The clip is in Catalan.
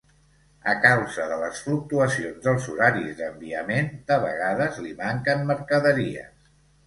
A causa de les fluctuacions dels horaris d'enviament, de vegades li manquen mercaderies.